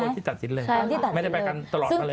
ที่ตัดสินเลยไม่ได้ไปกันตลอดมาเลย